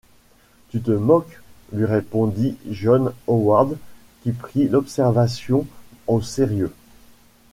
Tu te moques ?… lui répondit John Howard, qui prit l’observation au sérieux.